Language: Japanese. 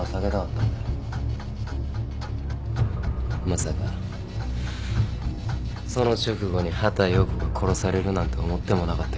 まさかその直後に畑葉子が殺されるなんて思ってもなかったけどな。